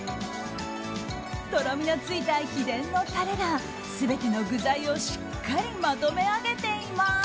とろみのついた秘伝のタレが全ての具材をしっかりまとめ上げています。